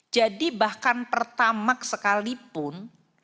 jadi bahkan pertamak sekalipun